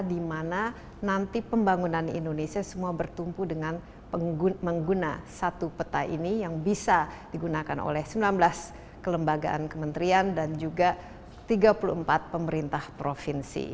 di mana nanti pembangunan indonesia semua bertumpu dengan mengguna satu peta ini yang bisa digunakan oleh sembilan belas kelembagaan kementerian dan juga tiga puluh empat pemerintah provinsi